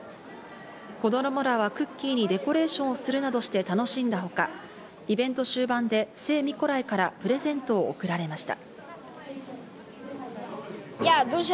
子供らはクッキーにデコレーションをするなどして楽しんだほか、イベント終盤で聖ミコライからプレゼントを贈られました。